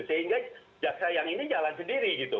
sehingga jaksa yang ini jalan sendiri gitu